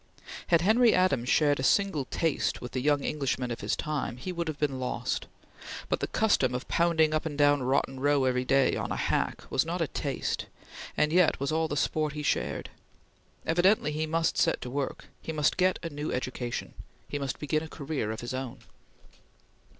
Had Henry Adams shared a single taste with the young Englishmen of his time, he would have been lost; but the custom of pounding up and down Rotten Row every day, on a hack, was not a taste, and yet was all the sport he shared. Evidently he must set to work; he must get a new education; he must begin a career of his own.